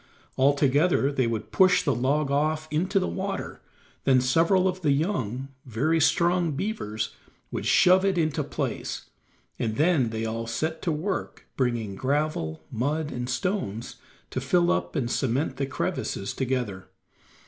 Altogether they would push the log off into the water, then several of the young, strong beavers would shove it into place, and then they all set to work bringing gravel, mud and stones to fill up and cement the crevices together.